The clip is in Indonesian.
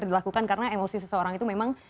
yang dia lakukan karena emosi seseorang itu memang